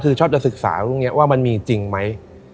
คือชอบจะศึกษาว่ามันมีจริงไหม